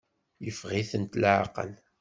Yeffeɣ-itent leɛqel.